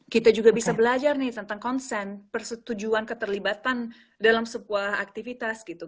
kita juga bisa belajar nih tentang konsen persetujuan keterlibatan dalam sebuah aktivitas gitu